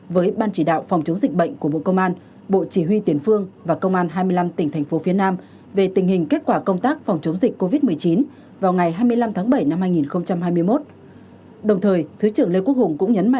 với ban chỉ đạo phòng chống dịch bệnh của bộ công an bộ chỉ huy tiền phương và công an hai mươi năm tỉnh thành phố phía nam về tình hình kết quả công tác phòng chống dịch covid một mươi chín vào ngày hai mươi năm tháng bảy năm hai nghìn hai mươi một